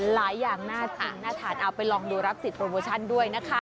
หลายอย่างน่ากินน่าทานเอาไปลองดูรับสิทธิโปรโมชั่นด้วยนะคะ